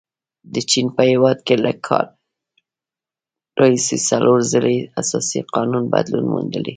د چین په هیواد کې له کال راهیسې څلور ځلې اساسي قانون بدلون موندلی.